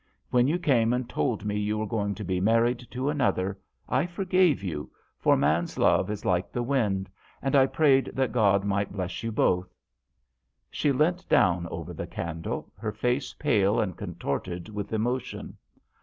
When you came and told me you were going to be married to another I forgave you, for man's love is like the wind, and I prayed that God might bless you both." She leant down over the candle, her face pale and contorted with emotion.